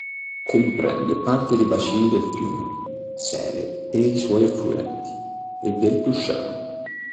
Comprende parte dei bacini del fiume Sele e i suoi affluenti, e del Tusciano.